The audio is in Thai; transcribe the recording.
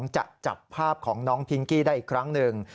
จะจับภาพของน้องพิงกี้ได้อีกครั้งหนึ่ง